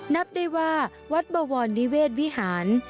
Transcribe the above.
นับได้ว่าวัดบวรนิเวศวิหาร